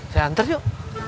saya antar yuk